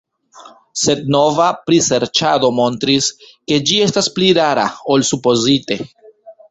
Sed nova priserĉado montris, ke ĝi estas pli rara ol supozite.